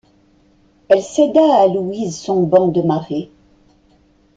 Elle céda à Louise son banc de marée.